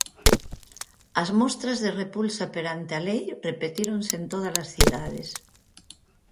As mostras de repulsa perante a Lei repetíronse en todas as cidades.